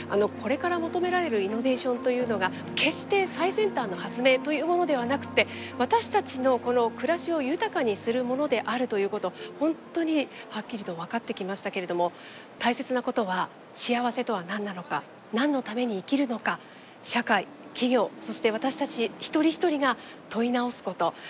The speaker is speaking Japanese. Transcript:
これから求められるイノベーションというのが決して最先端の発明というものではなくて私たちの暮らしを豊かにするものであるということ本当にはっきりと分かってきましたけれども大切なことは幸せとは何なのか何のために生きるのか社会企業そして私たち一人一人が問い直すこと。